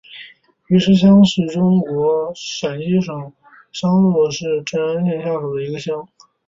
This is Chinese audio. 余师乡是中国陕西省商洛市镇安县下辖的一个乡。